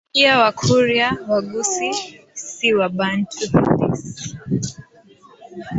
Pia Wakurya Waghusii si Bantu halisi